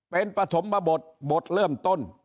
เป็นปฐมบทบทเริ่มต้น